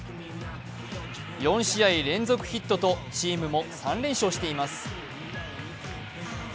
４試合連続ヒットとチームも３連勝しています。